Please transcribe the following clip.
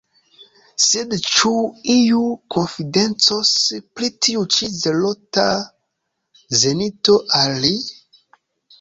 Sed ĉu iu konfidencos pri tiu ĉi zelota zenito al ili?